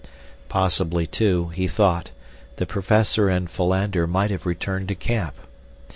Possibly, too, he thought, the professor and Philander might have returned to camp.